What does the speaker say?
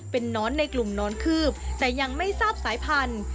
เป็นนอนในกลุ่มนอนคืบแต่ยังไม่ทราบสายพันธุ์